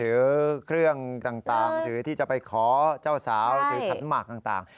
ถือเครื่องต่างหรือที่จะไปขอเจ้าสาวถือขันหมากต่าง